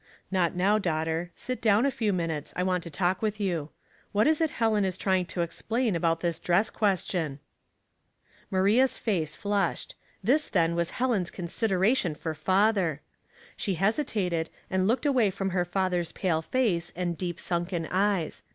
"Not now, daughter. Sit down a few min utes, I want to talk with you. What is it Helen is trying to explain about this dress question ?'* Maria's face flushed. This then was Helen's consideration for father. She hesitated, and looked away from her father's pale face and deep sunken eyes.